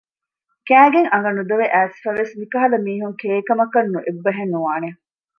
ކައިގެން އަނގަ ނުދޮވެ އައިސްފަވެސް މިކަހަލަ މީހުން ކެއިކަމަކަށް އެއްބަހެއް ނުވާނެ